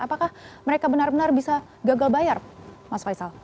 apakah mereka benar benar bisa gagal bayar mas faisal